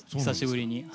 久しぶりに。